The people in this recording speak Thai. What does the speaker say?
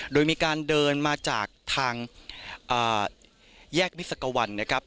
โดยมีการเดินมาจากทางแยกมิสกวันนะครับ